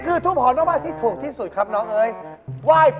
แก้ได้เลยนะ